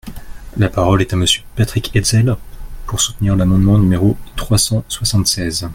La parole est à Monsieur Patrick Hetzel, pour soutenir l’amendement numéro trois cent soixante-seize.